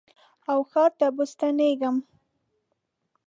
او ښار ته به ستنېږم